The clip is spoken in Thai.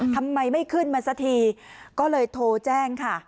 ทำไมไม่ขึ้นมาสักทีก็เลยโทรแจ้งค่ะ